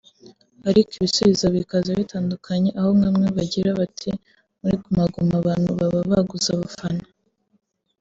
ariko ibisubizo bikaza bitandukanye aho bamwe bagiraga bati muri Guma Guma abantu baba baguze abafana